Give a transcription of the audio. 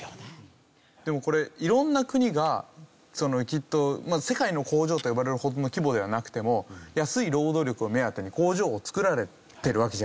でもこれ色んな国がきっと「世界の工場」と呼ばれるほどの規模ではなくても安い労働力を目当てに工場を作られてるわけじゃないですか。